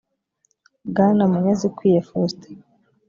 bwana munyazikwiye faustin